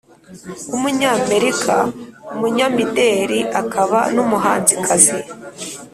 w’umunyameirika, umunyamideli akaba n’umuhanzikazi.